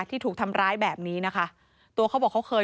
ที่ถูกทำร้ายแบบนี้นะคะตัวเขาบอกเขาเคย